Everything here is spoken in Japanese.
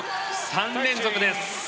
３連続です。